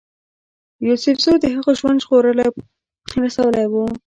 یوسفزیو د هغه ژوند ژغورلی او پاچهي ته رسولی وو.